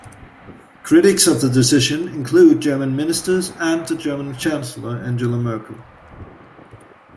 Critics of the decision include German Ministers and the German Chancellor Angela Merkel.